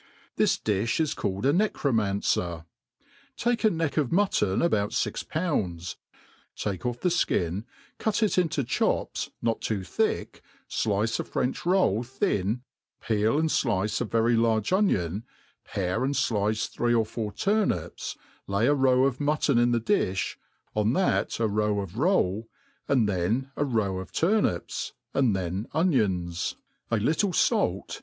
This difh is Called a necromancer. Take a neck of mutton aboiit fix pounds, take off the fkin, cut it into chops, cot too thick, flice a French roll thin, peel and flice a very large oniony pare and flice threp Of four turnips, lay a row of mutton in the difli, on that a roW ef roU| then a row of turnips^ and then onions, a little falr» •^''•■■•.]...'.,. then* .—— 1 MADE PLAIN AND EASY.